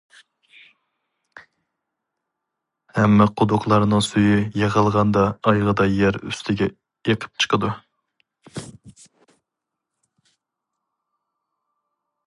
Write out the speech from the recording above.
ھەممە قۇدۇقلارنىڭ سۈيى يىغىلغاندا ئايىغىدا يەر ئۈستىگە ئېقىپ چىقىدۇ.